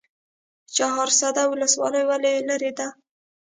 چهارسده ولسوالۍ ولې لیرې ده؟